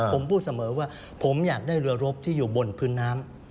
ผมพูดเสมอว่าผมอยากได้เรือรบที่อยู่บนพื้นน้ำ